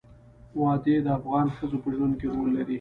وادي د افغان ښځو په ژوند کې رول لري.